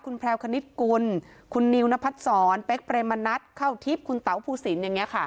คุณแพลวคณิตกุลคุณนิวนพัฒน์สอนเป๊กเปรมณัฐเข้าทิพย์คุณเต๋าภูศิลป์อย่างเงี้ยค่ะ